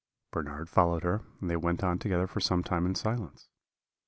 Bernard followed her, and they went on together for some time in silence.